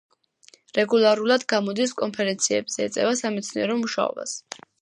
რეგულარულად გამოდის კონფერენციებზე, ეწევა სამეცნიერო მუშაობას.